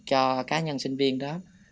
cho cá nhân sinh viên đó